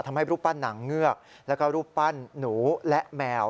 ทำให้รูปปั้นหนังเงือกแล้วก็รูปปั้นหนูและแมว